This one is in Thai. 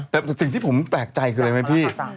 แต่สิ่งที่ผมแปลกใจคืออะไรไหมพี่